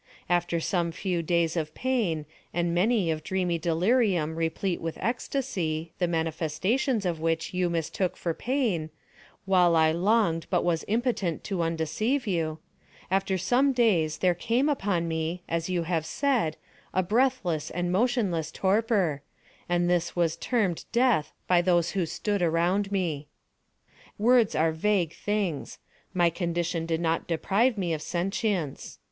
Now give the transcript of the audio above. After some few days of pain, and many of dreamy delirium replete with ecstasy, the manifestations of which you mistook for pain, while I longed but was impotent to undeceive you—after some days there came upon me, as you have said, a breathless and motionless torpor; and this was termed Death by those who stood around me. Words are vague things. My condition did not deprive me of sentience.